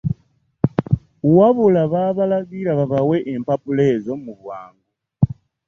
Wabula babalagira babawe empapula ezo mu bwangu.